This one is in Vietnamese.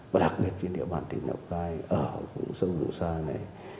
và đặc biệt trên địa bàn tình đạo cai ở sông dũng sa này